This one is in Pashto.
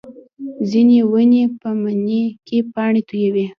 ځینې ونې په مني کې پاڼې تویوي